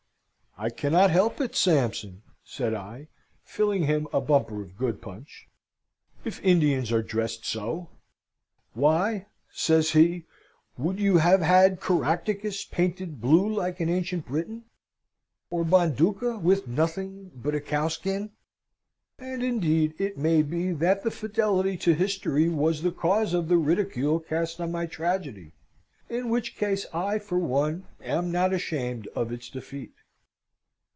"I cannot help it, Sampson," said I (filling him a bumper of good punch), "if Indians are dressed so." "Why," says he, "would you have had Caractacus painted blue like an ancient Briton, or Bonduca with nothing but a cow skin?" And indeed it may be that the fidelity to history was the cause of the ridicule cast on my tragedy, in which case I, for one, am not ashamed of its defeat.